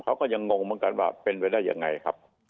เขาก็ยังงงเหมือนกันว่าเป็นไปได้ยังไงครับ